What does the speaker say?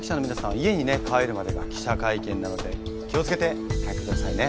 家にね帰るまでが記者会見なので気を付けて帰ってくださいね。